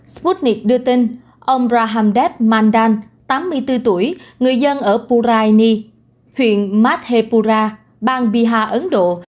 sputnik đưa tin ông rahamdev mandan tám mươi bốn tuổi người dân ở puraini huyện madhepura bang bihar ấn độ